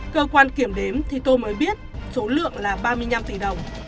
cơ quan kiểm đếm thì tôi mới biết số lượng là ba mươi năm tỷ đồng